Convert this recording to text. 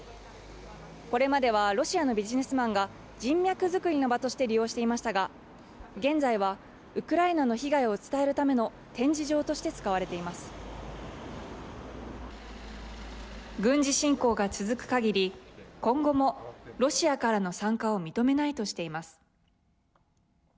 これまではロシアのビジネスマンが人脈づくりの場として利用していましたが現在は、ウクライナの被害を伝えるための軍事侵攻が続くかぎり今後も、ロシアからの参加を認めないとしています。